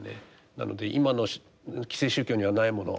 なので今の既成宗教にはないもの